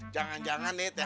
jangan jangan nih thr